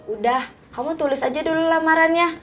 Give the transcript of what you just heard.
udah kamu tulis aja dulu lamarannya